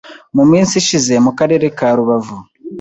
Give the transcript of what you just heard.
Mu minsi ishize, mu Karere ka Rubavu